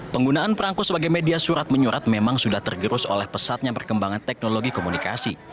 penggunaan perangko sebagai media surat menyurat memang sudah tergerus oleh pesatnya perkembangan teknologi komunikasi